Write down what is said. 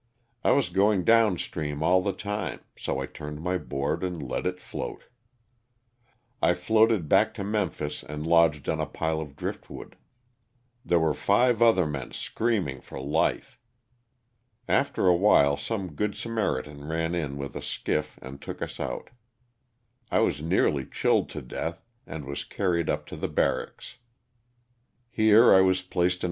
I was going down stream all the time, so I turned my board and let it float. I floated back to Memphis and lodged on a pile of drift wood. There were five other men screaming for life. After a while some "good Samaritans" ran in with a skiff and took us out. I was nearly chilled to death, and was carried up to the barracks. Here I was placed in 298 LOSS OF THE SULTANA.